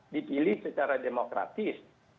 dipilih secara demokratis